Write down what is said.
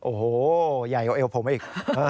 โอ้โหใหญ่กว่าเอวผมอีก